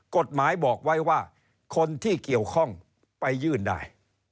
กฎหมายบอกไว้ว่าคนที่เกี่ยวข้องไปยื่นได้